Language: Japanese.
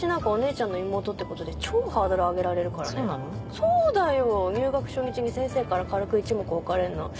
そうだよ。入学初日に先生から軽く一目置かれるの。